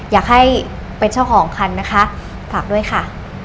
อยากให้เป็นเจ้าของคันนะคะฝากด้วยค่ะ